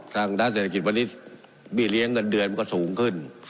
ทางด้านเศรษฐกิจวันนี้บี้เลี้ยงเงินเดือนมันก็สูงขึ้น